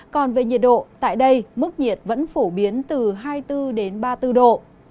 còn về nhiệt độ tại đây mức nhiệt vẫn phổ biến từ hai mươi bốn đến ba mươi bốn độ